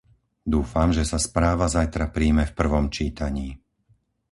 Dúfam, že sa správa zajtra prijme v prvom čítaní.